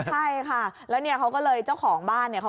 ใช่ค่ะแล้วเนี่ยเขาก็เลยเจ้าของบ้านเนี่ย